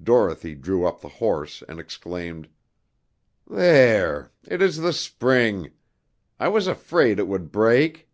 Dorothy drew up the horse and exclaimed: "There! It is the spring. I was afraid it would break!"